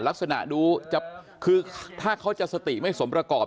ลักษณะดูจะคือถ้าเขาจะสติไม่สมประกอบ